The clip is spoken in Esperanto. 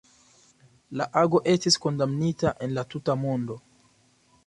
La ago estis kondamnita en la tuta mondo.